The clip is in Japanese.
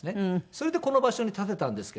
それでこの場所に建てたんですけど。